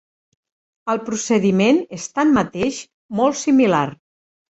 El procediment és tanmateix molt similar.